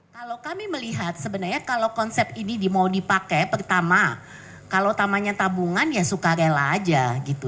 kalau kami melihat sebenarnya kalau konsep ini mau dipakai pertama kalau tamanya tabungan ya suka rela aja gitu